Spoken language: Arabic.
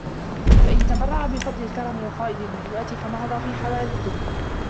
فَإِنْ تَبَرَّعَ بِفَضْلِ الْكَرَمِ وَفَائِضِ الْمُرُوءَةِ فَنَهَضَ فِي حَوَادِثِهِمْ